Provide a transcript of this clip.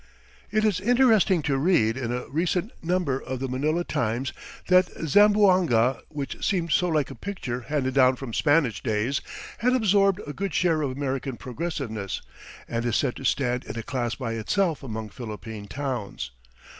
It is interesting to read in a recent number of the Manila Times that Zamboanga, which seemed so like a picture handed down from Spanish days, has absorbed a good share of American progressiveness and is said to stand in a class by itself among Philippine towns.